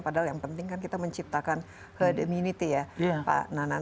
padahal yang penting kan kita menciptakan herd immunity ya pak nanan